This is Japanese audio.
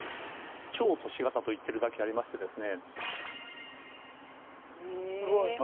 超都市型といってるだけありましてですね